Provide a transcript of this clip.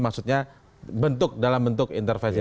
maksudnya bentuk dalam bentuk intervensi